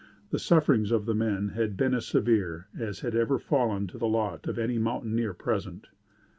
The sufferings of the men had been as severe as had ever fallen to the lot of any mountaineer present.